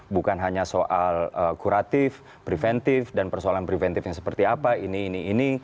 bukan hanya soal kuratif preventif dan persoalan preventifnya seperti apa ini ini ini